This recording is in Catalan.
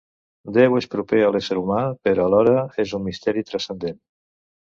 Déu és proper a l'ésser humà, però alhora és un misteri transcendent.